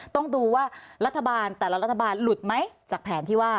ต้องดูว่ารัฐบาลแต่ละรัฐบาลหลุดไหมจากแผนที่ว่า